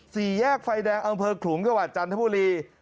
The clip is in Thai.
สี่แยกไฟแดงอำเภอขลุงจังหวัดจันทบุรี